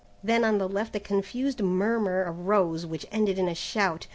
Then on the left a confused murmur arose which ended in a shout.